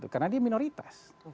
karena dia minoritas